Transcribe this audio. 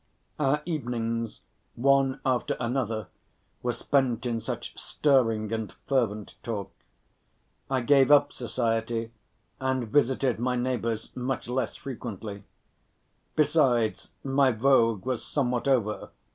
Our evenings, one after another, were spent in such stirring and fervent talk. I gave up society and visited my neighbors much less frequently. Besides, my vogue was somewhat over.